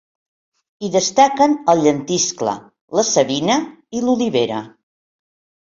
Hi destaquen el llentiscle, la savina i l'olivera.